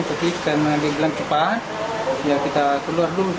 tapi kalau dia bilang cepat ya kita keluar dulu